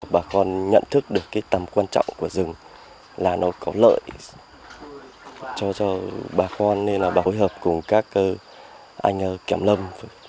bà con nhận thức được cái tầm quan trọng của rừng là nó có lợi cho bà con nên là bà hối hợp cùng các anh kiểm lâm